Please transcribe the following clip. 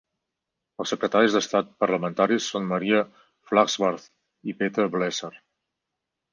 Els secretaris d'estat parlamentaris són Maria Flachsbarth i Peter Bleser.